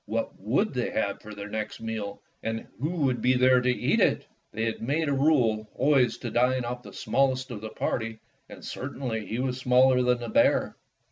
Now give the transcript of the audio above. What would they have for their next meal, and who would be there to eat it? They had made a rule always to dine oflE the smallest of the party, and certainly he was smaller than the bear.